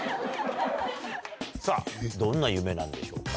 さぁどんな夢なんでしょうか。